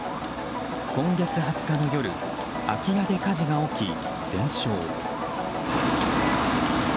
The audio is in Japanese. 今月２０日の夜空き家で火事が起き、全焼。